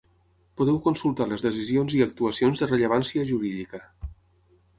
Podeu consultar les decisions i actuacions de rellevància jurídica.